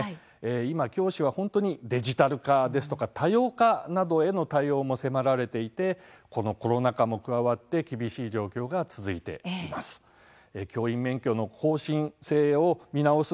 今、教師は本当にデジタル化でしたり多様化などへの対応も迫られていてこのコロナ禍も加わって厳しい状況が続いています。